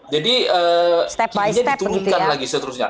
jadi ini diturunkan lagi seterusnya